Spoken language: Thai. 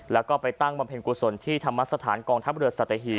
แล้วก็ไปตั้งบำเพ็ญกุศลที่ธรรมสถานกองทัพเรือสัตหี